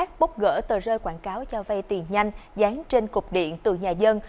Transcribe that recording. tình trạng bốc gỡ tờ rơi quảng cáo cho vay tiền nhanh dán trên cục điện từ nhà dân